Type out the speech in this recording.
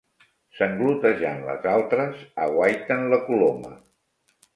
Sanglotejant les altres, aguaiten la coloma.